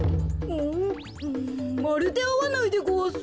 うんまるであわないでごわす。